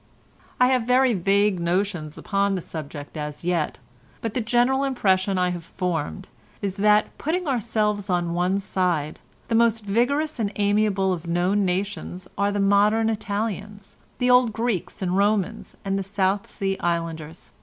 "I have very vague notions upon the subject as yet, but the general impression I have formed is that, putting ourselves on one side, the most vigorous and amiable of known nations are the modern Italians, the old Greeks and Romans, and the South Sea Islanders.